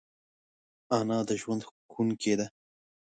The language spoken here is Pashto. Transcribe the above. انا د ژوند ښوونکی ده